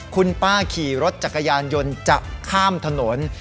คุณป้าขี่รถจักรยานยนต์จะข้ามถนน